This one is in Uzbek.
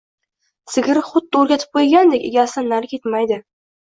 Sigiri xuddi o‘rgatib qo‘ygandek egasidan nari ketmaydi.